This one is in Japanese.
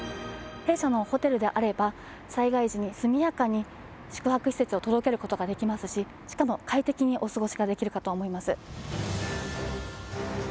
弊社のホテルであれば災害時に速やかに宿泊施設を届けることができますししかも快適にお過ごしができるかと思います。